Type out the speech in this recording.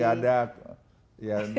jadi nggak ada